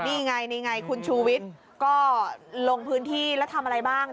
นี่ไงนี่ไงคุณชูวิทย์ก็ลงพื้นที่แล้วทำอะไรบ้าง